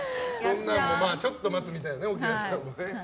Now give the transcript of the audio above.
ちょっと待つみたいな奥菜さんもね。